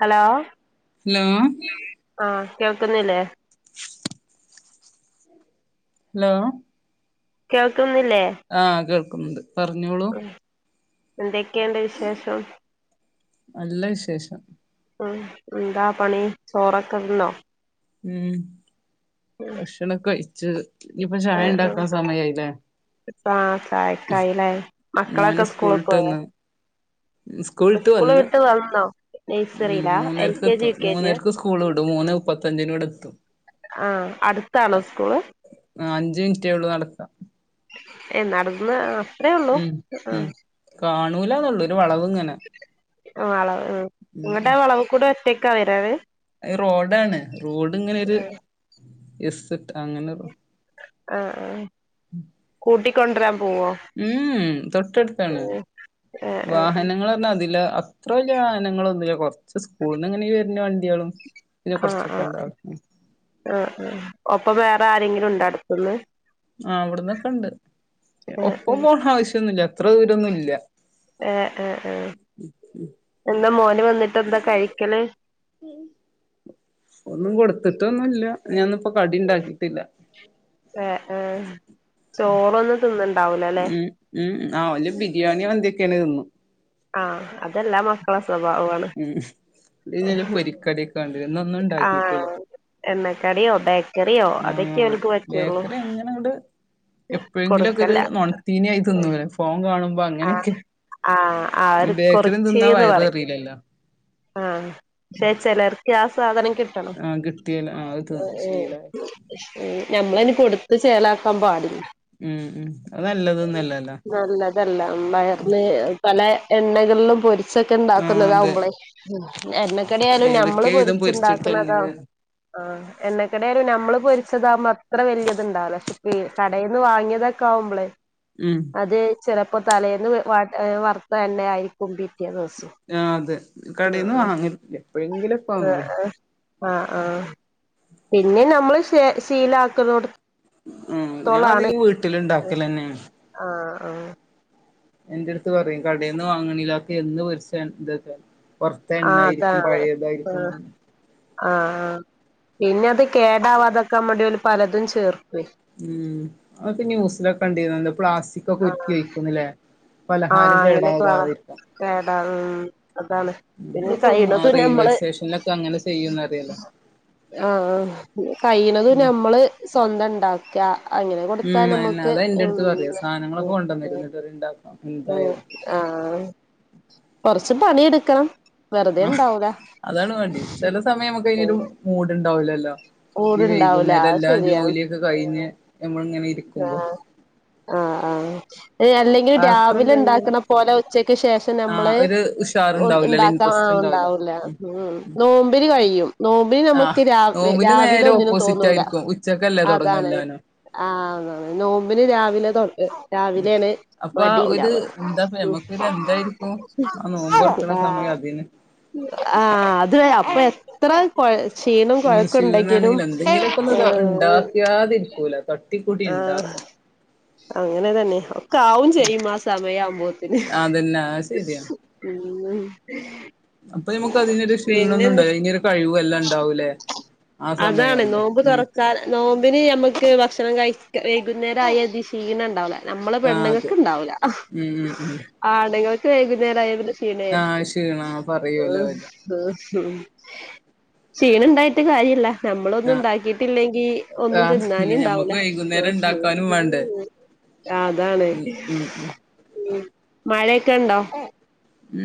hello ലോ ആഹ് കേൾക്കുന്നില്ലേ ഹലോ കേൾക്ക്ന്ന് ആ കേൾക്കുന്നുണ്ട് പറഞ്ഞോളൂ എന്തൊക്കെയിണ്ട് വിശേഷം നല്ല വിശേഷം ഉം എന്താ പണി ചോറൊക്കെ തിന്നോ ഉം ആഹ് ഭക്ഷണം കഴിച്ച് ഇനിപ്പ ചായ ഇണ്ടാക്കാൻ ആഹ് സമയായില്ലേ ആഹ് ചായക്കായില്ലേ മോന് മക്കളൊക്കെ സ്കൂള് സ്കൂൾട്ട് പോയോ വന്ന് സ്കൂൾട്ട് സ്കൂള് വന്ന് വിട്ട് വന്നോ ഉം നഴ്സറിയിലാ എൽ മൂന്നരക്ക് കെ ജി എത്തും യു കെ ജിയാ മൂന്നര്ക്ക് സ്കൂൾ വിടും മൂന്നെ മുപ്പത്തഞ്ചിന് ഇവ്ടെ എത്തും ആ അടുത്താണോ സ്കൂള് ആ അഞ്ച്മിൻറ്റേ ഒള്ളൂ നടത്ത ഏ നടന്ന് അത്രേ ഒള്ളൂ ആ നൂലാന്നുള്ളൂ ഒരു വളവ് ഇങ്ങനെ ആ വളവ് ഹ് ഇങ്ങട്ട് ആ വളവ് കൂടെ ഒറ്റക്കാ വെരാവ് അയ് റോഡാണ് റോഡ് ഇങ്ങനെ ഒരു ആഹ് എസ്സ്ട്ട് അങ്ങനൊരു ആ ആ [unintelligible] മ് മ് തൊട്ടട്ത്താണ് ഉം ആഹ് ആഹ് വാഹനങ്ങള് ർ ഞ്ഞാതില അത്ര വല്ല്യ വാഹനങ്ങളൊന്നുല്ല കൊറച്ച് സ്കൂൾന്ന്ങ്ങനെ ഈ വെര്ണ വണ്ടിളും ആ ആ ആ ആ ഒപ്പ വേറെ ആരെങ്കിലും ഉണ്ടോ അട്ത്ത്ന്ന് ആ അവിട്ന്നൊക്കെ ഇണ്ട് ഏഹ് ഒപ്പം പോണ ആവശ്യൊന്നുല്ല അത്ര ദൂരൊന്നുല്ല ഏ എ എ എന്നാ മോൻ വന്നിട്ട് എന്താ കഴിക്കല് ഇപ്പ കടി ഇണ്ടാക്കിട്ടില്ല ഏ ഏ ചോറൊന്നും തിന്നണ്ടാവൂലല്ലേ ഉം ഉം ആ ഓല് ബിരിയാണി മന്തിയൊക്കെയാണേ തിന്നും ആ അതെല്ലാം മക്കളെ സ്വഭാവാണ് ഉം ഇന്നലെ പൊരിക്കടിയൊക്കെ കണ്ടിരുന്നു ഇന്നൊന്നും ആ ഉണ്ടാക്കിയിട്ടില്ല എണ്ണക്കടിയോ ബേ ചെറിയോ ആ അതൊക്കെ ഓൽക്ക് പറ്റുള്ളൂ എപ്പോഴെങ്കിലു ഒക്കെ ഒരു കൊടുക്കല്ല നൊണത്തീനി ആയി തിന്നുല്ലെ ഫോൺ കാണുമ്പോ അങ്ങനെയൊക്കെ ആഹ് ആഹ് പിന്നെ ആര് ബേക്കറിയും തിന്നാ കൊറച്ചേന്ന് വയറ് പറയും നിറയില്ലല്ലോ ആഹ് പക്ഷേ ചിലർ ഇക്ക് ആ സാധനം കിട്ടണം ആഹ് കിട്ടിയല്ല ആഹ് അത് അ ശീലായി ഏ ഞമ്മളയിന് കൊട് ത് ചേലാക്കാൻ പാടില്ല ഉം ഉം അത് നല്ലതൊന്നല്ലല്ലോ നല്ലതല്ല വയർന് പലെ എണ്ണകൾളും പൊരിച്ചൊക്കെ ഇ ആഹ് അതെ ണ്ടാക്ക്ന്നതാവുമ്പളേ എണ്ണക്കടിയായാലും ഞമ്മള് ഏതൊക്കെ പൊരി വിധം ച്ച് ണ്ടാക്ക്ണതോ പൊരിച്ചിട്ടെണ്ണ ആ എണ്ണക്കടിയാലും ഞമ്മള് പൊരി ച്ചതാവുമ്പോ അത്ര വല്ല്യത്ണ്ടാവില്ല പക്ഷെഇപ്പെ കടെന്ന് വാങ്ങിയതൊക്കാവ്മ്പള് ഉം അതെ ചെലപ്പോ തലേന്ന് വറ്ത്ത എണ്ണയായിരിക്കും ആ അതെ കടേന്ന് വാങ്ങലില്ല എപ്പഴെങ്കിലും ആ ആ ആ ആഹ് പിന്നെ നമ്മള് ശീലാക്കുന്നോടത്ത് ആഹ് ഞാൻ ത്തോളാണ് അധികം വീട്ടിലുണ്ടാക്കലന്നെയാണ് ആഹ് ആഹ് എന്റെടുത്ത് പറയും കടേന്ന് വാങ്ങണില്ല അതൊക്കെ എന്ന് പൊരിച്ച എ ഇതെക്കെ പുറത്തെ ആഹ് എണ്ണയായിരിക്കും അതാണ് പഴയതായിരിക്കും ആഹ് ആഹ് പിന്നെ അത് കേടാവാതിരിക്കാൻ വേണ്ടിഓല് പലതും ചേർക്കുവേ ഉം അതൊക്കെ ന്യൂസിലൊക്കെ കണ്ടിരുന്നല്ലോ പ്ലാസ്റ്റിക്കൊക്കെ ഉരുക്കി ആഹ് ഒഴിക്കുന്ന് ലേ ആഹ് അങ്ങനെയൊക്കെ വാ കേടാ ഉം അതാണ് പിന്നെ നമ്മ നമ്മളിപ്പോ കഴിയ്ണതും റെയിൽവേ നമ്മള് സ്റ്റേഷനിലൊക്കെ അങ്ങനെ ചെയ്യുംന്ന് അറിയാലോ ആഹ് ആ കഴിയ്ണതും ഉം ഞമ്മള് സ്വന്തണ്ടാക്കും അങ്ങനെ കൊടുത്താ ഉം അയെന്നെ നമ്മക്ക് അതാ എന്റെടുത്ത് പറയാ സാധനങ്ങളൊക്കെ ഉം കൊണ്ടന്നരും ന്നിട്ട് പറയും ഇണ്ടാക്കാം ആ എന്തായാലും ആഹ് കൊറച്ച് പണിയെടുക്കണം വെറുതെ ആ ഇണ്ടാവൂല അതാണ് വേണ്ടി ചെലസമയം നമുക്കയ്നൊരു മൂട് ണ്ടാവുലല്ലോ ഈ മൂട്ണ്ടാവൂല വൈകുന്നേരം അത് എല്ലാം ശരിയാണ് ജോലിയൊക്കെ കഴിഞ്ഞ് നമ്മള്ങ്ങനെ ഇ രിക്കുമ്പോ ആ ആ അല്ലെങ്കില് പാത്രം രാവിലെ കഴുകണ ഉണ്ടാക്ക്ണപോലെ ഉച്ചക്ക് ശേഷം ആഹ് നമ്മള് ഒരു ഉഷാറുണ്ടാവൂലല്ലേ ഇണ്ടാക്കാം ഇൻട്രസ്റ്റ് ഉണ്ടാവൂല ഉം നോമ്പിന് കഴിയും നോമ്പിനി നമുക്ക് ആഹ് രാവി നോമ്പിന് രാവില നേരെ ഒന്നിനും ഓപ്പോസിറ്റ് തോന്നൂല ആയിരിക്കും ഉച്ചക്കല്ലേ തൊടങ്ങ അതാണ് എല്ലാനും ആ നോമ്പിന് രാവിലെ തൊട രാവിലെയാണ് അപ്പൊ ആ ഒരു മടിയിണ്ടാവ്അ എന്താപ്പ ഞമ്മക്കൊരു എന്തായിരിക്കും ആ നോമ്പൊറക്കണ സമയം അതിന് ആ അത് അപ്പൊ എത്ര ക്ഷീണം ഉം കൊഴേക്ക്ണ്ടെങ്കിലും ക്ഷീണാണെങ്കിലും എന്തെങ്കിലുമൊക്കെ ഒന്ന് ഉണ്ടാക്കാതിരിക്കൂല തട്ടിക്കൂടി ആ ഇണ്ടാക്കും അങ്ങനെ തന്നെ ഒക്കെ ആവും ചെയ്യും ആ സമയാവുമ്പോത്തിന് അതന്നെ അത് ശരിയാ ഉം അപ്പൊ നമ്മുക്ക് അതിനൊരു പിന്നെന്ത് ക്ഷീണൊന്നുണ്ടാവില്ല അയിനൊരു കഴിവും എല്ലാം ഇണ്ടാവൂലേ അതാണ് നോമ്പ് തുറക്കാൻ നോമ്പിന് നമ്മക്ക് ഭക്ഷ ണം കഴിക്കബ്ലോക്ക വൈകുന്നേരം ആയ അതിശീണണ്ടാവില്ല നമ്മള് ആ അതെ പെണ്ണുങ്ങക്ക്ണ്ടാവൂല ഉം ഉം ഉം ആണ്ങ്ങൾക്ക് വൈകുന്നേരായാപിന്നെ ആ ക്ഷീണായിരിക്കും ക്ഷീണ പറയൂലോ അവര് ഉം ക്ഷീണണ്ടായിട്ട് കാര്യല്ല നമ്മളൊന്നും ആ ഇണ്ടാക്കിട്ടില്ലെങ്കി ഒന്നും ആ പിന്നെ തിന്നാന്ണ്ടാവൂല്ല ഞമ്മക്ക് വൈകുന്നേരം ഇണ്ടാക്കാനും വേണ്ടേ ആ അതാണ് ഉം ഉം ഉം മഴയൊക്കെ ഇണ്ടോ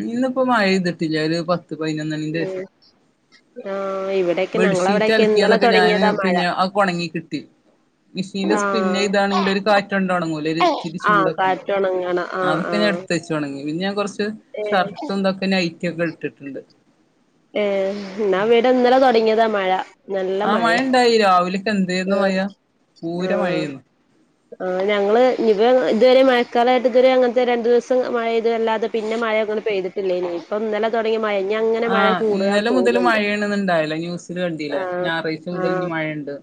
ഇന്നിപ്പോ മഴ പെയ്തിട്ടില്ല ഒരു പത്ത് പതിനൊന്നണിന്റെ ശേഷം ആഹ് ഇവിടെയൊക്കെ ബെഡ്ഷീറ്റ് ഞങ്ങളവിടെയൊക്കെ ഇന്നലെ അലക്കിയതൊക്കെ ഞാന് തുടങ്ങിയതാ മഴ പിന്നെ അതൊക്കൊണങ്ങിക്കിട്ടി മെഷീനി ആഹ് സ്പിന്നെയ്താണെങ്കിൽ ഒരു കാറ്റൊണ്ടൊണങ്ങൂലെ ഒരു ഇത്തിരി ആഹ് ചൂടൊക്ക്ണ്ട് കാറ്റൊണങ്ങണം ആഹ് അതൊക്കെ ഞാൻ ആഹ് എടുത്ത്വെച്ചൊണങ്ങി പിന്നെ ഞാൻ കുറച്ച് ഏഹ് ഷർട്ടും ഇതൊക്കെ നൈറ്റിയൊക്കെ ഇട്ടിട്ടുണ്ട് ഏ എന്നാഇവെടിന്നലെ തുടങ്ങിയതാ മഴ നല്ല ആ മഴയാ മഴണ്ടായി രാവിലെക്കെ ആ എന്തേര്ന്നു മഴ ആ പൂര മഴേന്നു ആ ഞങ്ങള് ഇനിപ്പ ഇതുവരെ മഴക്കാലായിട്ട് ഇദ്വരെ അങ്ങനത്തെ രണ്ട്ദിവസം മഴ പെയ്തതല്ലാതെ പിന്നെ മഴ പെയ്തിട്ടില്ലിനി ഇപ്പം ഇന്നലെ തുടങ്ങിയ മഴയാ ഇനിയങ്ങനെ മഴ ആഹ് കൂടുകാ ഇന്നലെ മുതൽ തോന്നുന്നുണ്ട് മഴയണന്നുണ്ടായില്ല ന്യൂസില് കണ്ടില്ലേ ഞായറാഴ്ച മുതൽ ഇനി മഴയ്ണ്ട്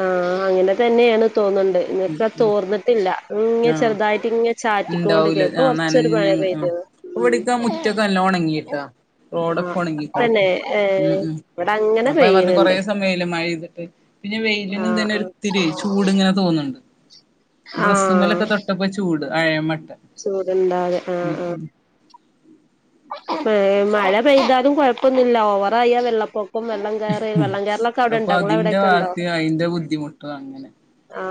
ആ അങ്ങനന്നെയാണ് തോന്നുണ്ട് ഇനിയൊക്കെ തോർന്നിട്ടില്ല ഇങ്ങനെ ആഹ് ചെറുതായിട്ടിങ്ങെ ചാറ്റിക്കൊണ്ടിരിക്കാ ഇപ്പ കുറച്ചൊരു മ ഇ യ വിടക്കാ മുറ്റൊക്കെ നല്ലോണം ഉണങ്ങിട്ടാ ആഹ് റോഡൊക്കൊണങ്ങി തന്നെ ഏ ഇവടെ അപ്പൊ പറഞ്ഞ് കൊറെേ സമയായില്ലേ മഴപെയ്തിട്ട് പിന്നെ വെയിലിനും ആഹ് തന്നെ ഒരിത്തിരി ചൂട്ങ്ങനെ തോന്നുന്നു ഡ്രസ്സുമേലൊക്കെ തൊട്ടപ്പോ ചൂട് അയമട്ട് ചൂടുണ്ടാെ ആ ആ ഏ മഴ പെയ്താലും കൊഴപ്പൊന്നില്ല ഓവറായാ വെള്ളപ്പൊ ഇപ്പം വെള്ളം കയറി ഉം വെള്ളം കേ റലൊക്കെ അവിടെ അപ്പൊ ഉണ്ടോ ഇങ്ങൾ അതിന്റെ ടവിടൊക്കെ ഉണ്ടോ വാസി അയിന്റെ ബുദ്ധിമുട്ടും അങ്ങനെ ആ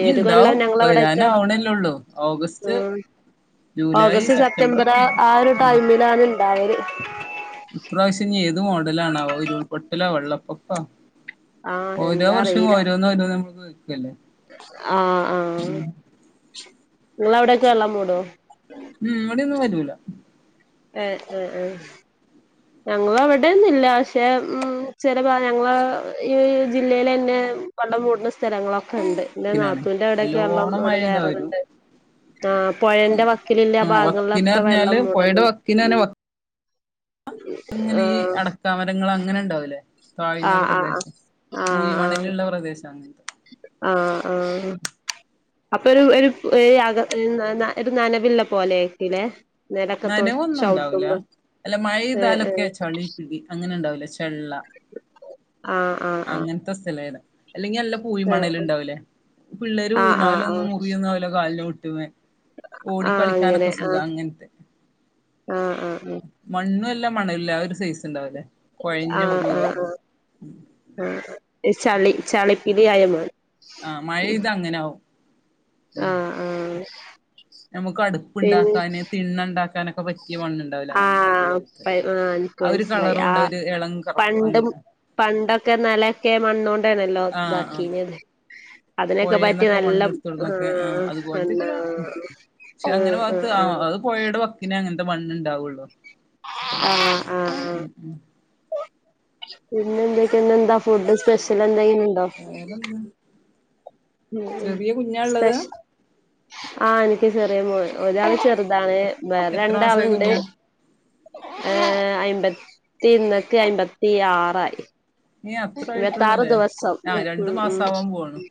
ഇനി ഇണ്ടാവും ഞങ്ങളവിടൊക്കെ വരാനാവണല്ലേ ഒള്ളൂ ഉ ഓഗസ്റ്റ് ജൂലൈ ഓഗസ്റ്റ് സെപ്റ്റംബർ ഒക്കെ ആ ഇണ്ടാവും ആ ഒരു ഉം ടൈമിലാണ് ഇണ്ടായത് ഇപ്രാവശ്യം ഇനി ഏത് മോഡലാണാ വോ ഉരുൾപൊട്ടലോ വെള്ളപ്പൊക്കോ ആഹ് ഓരോ വർഷം ഓരോന്നോരോന്നെ ആ ആ നിങ്ങളവിടൊക്കെ വെള്ളം മൂടുമൊ ഇല്ല ഏ എ എ ഞങ്ങളവിടേന്നില്ല പക്ഷെ ഉം ചിലവ ഞങ്ങളെ ഈ ജില്ലേലന്നെ വെള്ളം കൂടുന്ന സ്ഥലങ്ങളൊക്കെ ഇണ്ട് എന്റെ വക്കിനാണ് നാത്തൂവിടൊക്കെള്ളം നല്ലോണം ഇവിടെ മഴെയ്താ വരും കേറലുണ്ട് ആ പുഴേന്റെ വക്കലില്ല ആ വക്കിന് ഭാഗങ്ങളിലൊക്കെ പറഞ്ഞാല് വെള്ളം പൊഴയുടെ മൂടല് ഉ വക്കിനന്നെ വ അങ്ങനെ ഈ അടക്കമരങ്ങളെ അങ്ങനുണ്ടാവൂലേ ആ താഴ്ന്ന ആ ആ പ്രദേശം ആ ആ പൂയിമണലുള്ള പ്രദേശം അങ്ങനത്തെ ആ ആ അപ്പൊ ഒരു ഒരു ഏയ്‌ ഒരു നനവു ള്ള പോലെയൊക്കെയില്ലെ നെരക്കത്തോ നനവൊന്നും ഉണ്ടാവൂല ചവിട്ടുമ്പോ അല്ല ഏ ഏ മഴെയ്താലൊക്കെ ചളി പിടി അങ്ങനെ ഉണ്ടാവൂലേ ചെള്ള ആ ആ ആ അങ്ങനത്തെ സ്ഥലാണ് അല്ലെങ്കി നല്ല പൂയി ഏ മണലു ണ്ടാവില്ലേ പിള്ളേരു ആ ആ ആ വീണാലൊന്നും മുറിവൊന്നുമാവില്ല കാലിന്റെ മുട്ടിന്മേൽ ആ അങ്ങനെ ഓടിക്കളിക്കാനൊക്കെ ആ സുഖാ അങ്ങനത്തെ ആ ആ അ ഇന്നു എല്ല മണലിലാ ആ ഒരു സൈസ് ഇണ്ടാവില്ലേ ആ ആ ആ ആ ഈ ചളി ചളിപിടി ആയമാ ആ മഴെയ്താ ആ അങ്ങനാവും ആ നമുക്ക് പിന്നെ അടുപ്പുണ്ടാക്കാനെ തി ണ്ണോണ്ടാക്കാനൊക്കെ പറ്റും പുതിയ മണ്ണുണ്ടാവില്ല ആ അതുപോലെത്തെ പ ആ എനിക്ക് അവര് മനസ്സിലായി കളറും ആ കൊണ്ട് ഒരു എളം കറുപ്പെ പണ്ടും അങ്ങനെ പണ്ടൊക്കെ നിലക്കെ മണ്ണോണ്ടാണല്ലോ ആ അതെ ഇതാക്കീനത് അതിനൊക്കെ പറ്റി പുഴേന്നൊക്കെ നല്ല ആ മണ്ണെടുത്തോടന്നൊക്കെ അതുപോലത്തെക്കെ എന്താ ഒരു ഉണ്ട് പക്ഷെ അങ്ങനെ ഭാഗത്ത് അത് പോയേടെ വക്കിനെ അങ്ങനത്തെ മണ്ണുണ്ടാവുള്ളു ആ ആ ആ പിന്നെ എന്തൊക്കെയാ ഇന്നെന്താ ഫുഡ് സ്പെഷ്യൽ ഇണ്ടാക്കുന്നുണ്ടോ വേറെന്താ ഉ ചെറിയ കുഞ്ഞാ ഉള്ളത് സെപ്ഷ്യ ആ എനിക്ക് ചെറിയ മോൾ ഒരാളെ ചെറുതാണ് വേറെ എത്ര മാസായ രണ്ടാളുണ്ട് കുഞ്ഞാ ഏ അ അമ്പത്തി ഇന്നക്ക അയിമ്പത്തി ആറായി ഏ അത്ര ഇരുവത്താറു ആയിട്ടുള്ളൂല്ലേ ദിവസം ആ ഉ രണ്ടു ഉ മാസം ആവാൻ പോവാണ്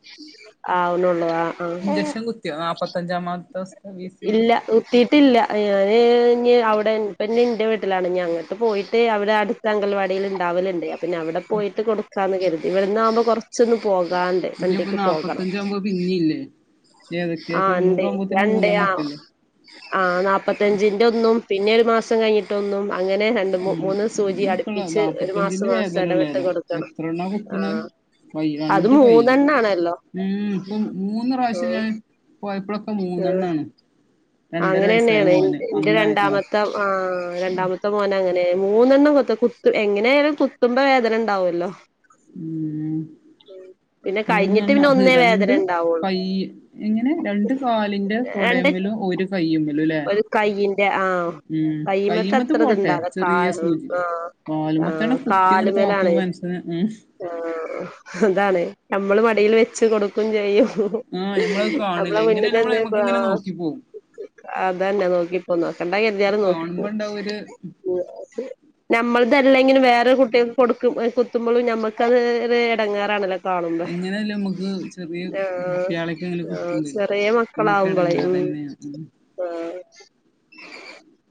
ആവുന്നുള്ളൂ ആ ആ ഇഞ്ചക്ഷൻ കുത്തിയോ നാപ്പത്തഞ്ചാമത്തെ ദിവസത്തെ ബി സി ജി ഇല്ല കുയിത്തീട്ടില്ല ഇനി ഔട്ട്‌ പെൺ പെണ്ണിന്റെ വീട്ടിലാണ് ഞങ്ങക്കെ പോയിട്ട് അവിടെ അടുത്ത അങ്കൽവാടിയിൽ ഉണ്ടാവലുണ്ട് അപ്പ അവിടെ പോയിട്ട് ക്കാന്ന് കരുതി ഇവിടുന്നാകുമ്പോ കൊറച്ചൊന്നെ പോകാനിണ്ട് ഇനിയിപ്പോ വണ്ടിക്ക് പോകാം നാപ്പത്തഞ്ചാകുമ്പോ പിന്നില്ലേ ഏതൊക്കെ ആ ഉണ്ടെ തൊണ്ണൂറാകുമ്പോത്തിന് രണ്ടേ ആ മൂന്നെണ്ണൊക്കെല്ലേ ആ നാല്പ്പത്തഞ്ചിന്റെ ഒന്നും പിന്നെ ഒരു മാസം കഴിഞ്ഞിട്ടൊന്നും അങ്ങനെ രണ്ട് ഉം മൂന്ന് സൂചി ഇനിപ്പള്ള അടുപ്പിച്ച് ഒരു മാസം മാസം എ ടവിട്ട് കൊടുക്കും എത്രണ്ണമാ കുത്തണ് കൈ അത് രണ്ട് കൈ മൂന്നെണ്ണാണല്ലോ ഉം ഇപ്പൊ മൂന്ന് പ്രാവശ്യം ഞാൻ ആഹ് പോയപ്പളൊക്കെ മൂന്നെണ്ണാണ് രണ്ടര അങ്ങനെ വയസ്സായ തന്നെയാണ് മോന് എന്റെ അന്ന് ആഹ് രണ്ടാമത്തെ ആ രണ്ടാമത്തെ മോനെ അങ്ങനെ മൂന്നെണ്ണം കുത്ത് എങ്ങനെ ആയാലും കുത്തുമ്പോ വേദന ഉണ്ടാവുമല്ലോ ഉം പിന്നെ കഴിഞ്ഞിട്ട് മൂന്നെണ്ണാ പിന്നെ ഒന്നേ വേദന രണ്ട് ഉണ്ടാവുള്ളൂ കയ്യ് എങ്ങനെ രണ്ട് കാലിന്റെ രണ്ട് തൊടെമില് ഒരു കയ്യ്മിലുല്ലേ ഒരു കൈയിന്റെ ആ ഉം കൈമത്തെ കയുമ്മത്തെ അത്ര പോട്ടെ ഇത്ണ്ടാവൂല ചെറിയ കാല് സൂചി ആ ആ കാലുമത്തന്നെ കുത്തിങ്ങട്ട് താത്തും കാലുമേലാണ് മനുഷ്യനെ മ് ആ അതാണ് നമ്മള് മടിയിൽ വെച്ച് കൊടുക്കും ചെയ്യും ആഹ് ഞമ്മളത് അപ്പള കാണില്ല എങ്ങനെ നമ്മള് മുന്നിന്നങ്ങ് നമ്മക്ക് ആ ഇങ്ങനെ നോക്കി പോവും അതന്നെ നോക്കിപ്പോ നോക്കണ്ട കരുതിയാലും കാണുമ്പോ നോക്കിപ്പോവും ഇണ്ടാവും ഒരു നമ്മ ളതല്ലെങ്കിലും വേറെ കുട്ടികക്ക് കൊടുക്കും കുത്തുമ്പോഴും നമുക്കത് ത് ഇടങ്ങേറാണല്ലോ എങ്ങനെയല്ലേ മുക്ക് ചെറിയ ആഹ് കുട്ടിയാളെക്കെ ഇങ്ങനെ ആഹ് കുത്തുമ്പേ ചെറിയ മ്മുക്ക് എടങ്ങേറേ നു പിന്നെയും ഉം ആ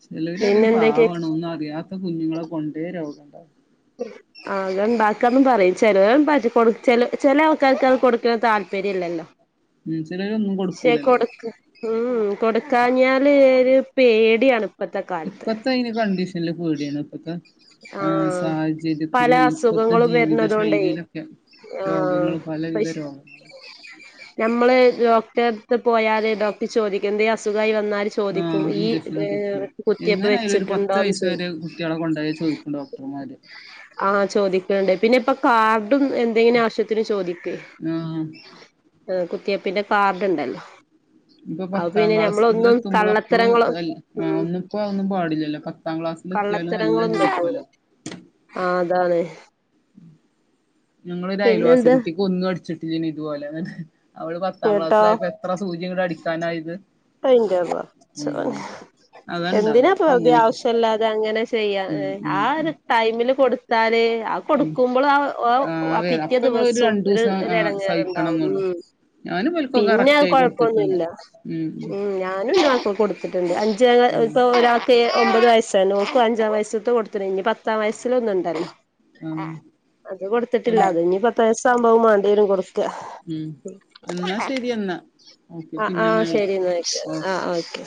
ചെലവരറയും പാവാണോ ഒന്നു അറിയാത്ത കുഞ്ഞുങ്ങളെ കൊണ്ടേ രോഗണ്ടാവൂ അത് ഉണ്ടാക്കന്ന് പറയും ചെലവർ പറ്റിക്കോളും ചെ ചെല ആൾക്കാർക്ക് അത് കൊടുക്കാൻ താൽ പര്യല്ലല്ലോ ഉം ചിലരൊന്നും ക്ഷെ കൊടുക്കൂലല്ലോ കൊടുക്ക് ഉം കൊടുക്കാഞ്ഞാല് ഒരു പേടിയാണ് ഇപ്പത്തെ കാലത്ത് ഇപ്പത്തെ അതിന് കണ്ടീഷനില് പേടിയാണ് ഇപ്പത്തെ ആ ആഹ് പല സാഹചര്യത്തില് ഇപ്പത്തെ അസുഖങ്ങളും ജീവിത വരുന്നതോണ്ടേ ശൈലിയിലൊക്കെ രോഗങ്ങള് പലവിധ രോഗവും നമ്മള് ഡോക്ടറ്ത്ത് പോയാല് ഡോക്ടർ ചോദിക്കും എന്തെ അസുഖായി എന്നാല് ചോദിക്കും ആഹ് ഈ ഇഞ്ചക്ഷന് കുത്തി കുത്തിയപ്പ് വെച്ചിട്ടുണ്ടോന്ന് ചോ തെ ചോദിക്കും ഡോക്ടറ്മാര് ആ ചോദിക്കണ്ടേ പിന്നെ ഇപ്പൊ കാർഡും എന്തേനും ആവശ്യത്തിന് ചോദിക്കേ ആഹ് കുത്തിയപ്പിന്റെ കാർഡുണ്ടല്ലോ ഇപ്പൊ പത്താം ക്ലാസിലെത്തുമ്പോള് അപ്പള് കള്ളത്തരങ്ങളോ ലൽ അ ഉം ഒന്നുംപ്പോ ഒന്നും പാടിലല്ലോ പത്താം ക്ലാസ്സിൽ എത്തിയാലും എല്ലാം കള്ളത്തരങ്ങളൊന്നും പറ്റൂല ചോയിക്കല്ലോ ആഹ് അതാണ് ഞങ്ങളൊരു പിന്നെ അയൽവാസി എന്താ കുട്ടിക്ക് ഒന്നും അടിച്ചിട്ടില്ലേനി ഇതുപോലെ അവള് പത്താം കേട്ടോ ക്ലാസ്സിലായപ്പോ എത്ര സൂചിയങ്ങട് അടിക്കാനായത് പ്പന്റെ പടച്ചോനെ ഉം അതാണ്ടാവ എന്തിനാപ്പ അപ്പൊ വെറുതെ അങ്ങനെയൊക്കെ ആവശ്യയില്ലാതെ അങ്ങനെ ചെയ്യാ ഉം ഉം ആ ഉം ഒരു ടൈമില് കൊടുത്താലെ ആ ഉം കൊടുക്കുമ്പോളും ആ ആഹ് ആ അതെ പിറ്റേ അപ്പൊ നമ്മള് ദിവസോം രണ്ടു ഒരു ദിവസം ആഹ് സഹിക്കണം എടങ്ങേറുണ്ടാവും എന്നുള്ളു ഞാനും ഇവൽക്കൊക്കെ പിന്നെ കറക്റ്റ് ആയി കൊടുത്തിട്ടുണ്ട് കൊഴപ്പൊന്നുയില്ല ഉം ഞാനും ന്റെ മക്കക്ക് കൊടുത്തിട്ടുണ്ട് അഞ്ചെകാൽ ഉം ഇപ്പൊ ഒരാൾക്ക് എ ഒമ്പത് വയസായിണ് ഓക്കും അഞ്ചാം വയസ്സത്തെ കൊടുത്തിണ് ഇനി പത്താം വയസ്സിൽ ഒന്നുണ്ടല്ലോ ആഹ് അത് എൻ കൊടുത്തിട്ടില്ല അത് ഇനി പത്ത് വയസാവുമ്പും മണ്ടിവരും കൊടു ഉം എന്നാ ശരി എന്നാ ഓക്കെ ആ ആ പിന്നെന്നാ വിളി ശരി വെക്ക ഓ ആ ഓക്കെ